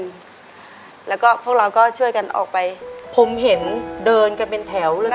ในแคมเปญพิเศษเกมต่อชีวิตโรงเรียนของหนู